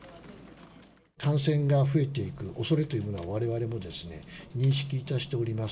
感染が増えていくおそれというのは、われわれもですね、認識いたしております。